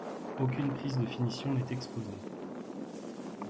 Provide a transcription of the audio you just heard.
Aucune prise de finition n'est exposée.